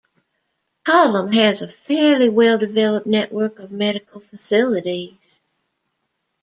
Kollam has a fairly well-developed network of medical facilities.